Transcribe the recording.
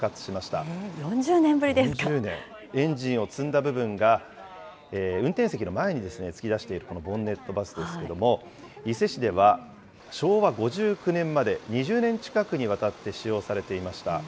エンジンを積んだ部分が運転席の前に突き出しているボンネットバスですけれども、伊勢市では昭和５９年まで２０年近くにわたって使用されていました。